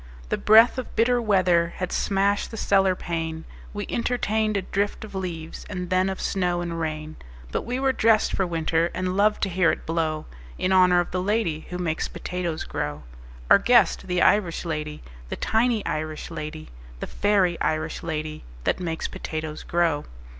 The breath of bitter weather Had smashed the cellar pane: We entertained a drift of leaves And then of snow and rain. But we were dressed for winter, And loved to hear it blow In honor of the lady Who makes potatoes grow Our guest, the Irish lady, The tiny Irish lady, The fairy Irish lady That makes potatoes grow.